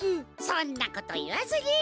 そんなこといわずに。